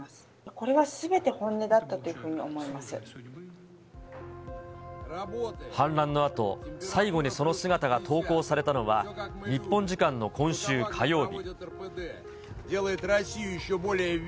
これはすべて本音だったというふ反乱のあと、最後にその姿が投稿されたのは、日本時間の今週火曜日。